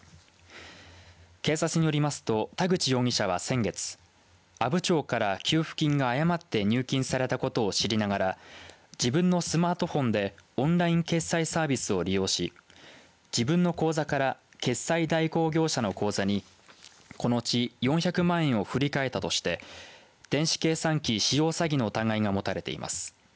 警察によりますと田口容疑者は先月阿武町から給付金が誤って入金されたことを知りながら自分のスマートフォンでオンライン決済サービスを利用し自分の口座から決済代行業者の口座にこのうち４００万円を振り替えたとして電子計算機使用詐欺の疑いが持たれています。